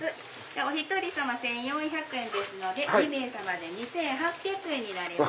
お１人様１４００円ですので２名様で２８００円になります。